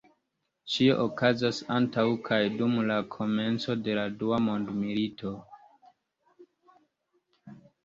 Ĉio okazas antaŭ kaj dum la komenco de la Dua Mondmilito.